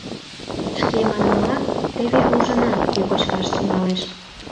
Шке манмыла, теве ужына, кӧ кочкаш тӱҥалеш.